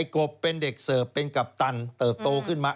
กบเป็นเด็กเสิร์ฟเป็นกัปตันเติบโตขึ้นมา